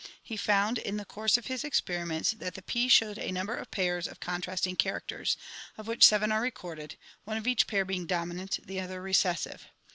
He found in the course of his experiments that the peas showed a number of pairs of contrasting characters, of which seven are recorded, one of each pair being dominant, the other re cessive.